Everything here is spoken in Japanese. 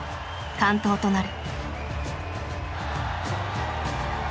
「完登」となる。